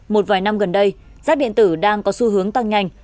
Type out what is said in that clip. một vài năm gần đây giá điện tử đang có xu hướng tăng nhanh